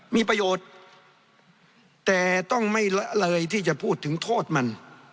มีประโยชน์แต่ต้องไม่ละเลยที่จะพูดถึงโทษมัน